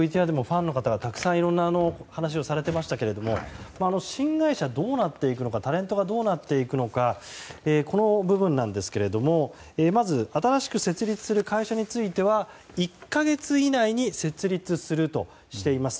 ＶＴＲにもファンの方がたくさん話をされていましたけど新会社はどうなっていくのかタレントがどうなっていくのかこの部分ですが、まず新しく設立された会社については１か月以内に設立するとしています。